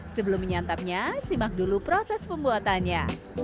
sebelum menyantapnya simak dulu proses pembuatannya